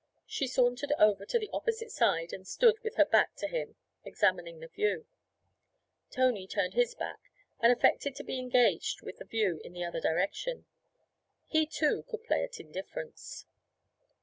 She sauntered over to the opposite side and stood with her back to him examining the view. Tony turned his back and affected to be engaged with the view in the other direction; he too could play at indifference.